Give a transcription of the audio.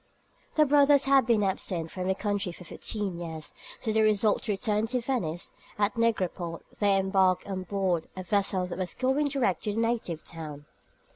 The brothers had been absent from their country for fifteen years, so they resolved to return to Venice, and at Negropont they embarked on board a vessel that was going direct to their native town.